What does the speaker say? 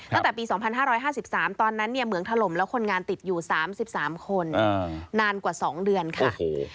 ตั้งแต่ปี๒๕๕๓ตอนนั้นเนี่ยเหมืองถล่มแล้วคนงานติดอยู่๓๓คนนานกว่า๒เดือนค่ะ